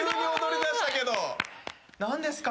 何ですか？